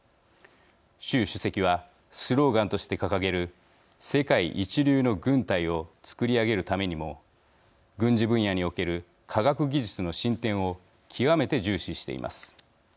習主席はスローガンとして掲げる世界一流の軍隊を作り上げるためにも軍事分野における科学技術の進展を極めて重視しています。